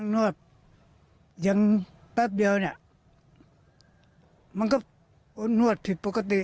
นวดยังแป๊บเดียวเนี่ยมันก็นวดผิดปกติ